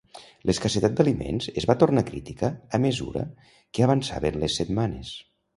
L'escassetat d'aliments es va tornar crítica a mesura que avançaven les setmanes.